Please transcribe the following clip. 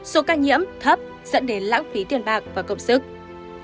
số ca nhiễm thấp dẫn đến lãng phí tiền bạc và công sức